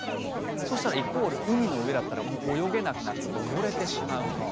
そしたらイコール海の上だったらもう泳げなくなって溺れてしまうという。